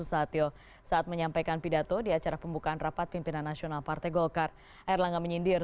saya memutuskan untuk calling down ketika melihat tensi politik yang makin memanas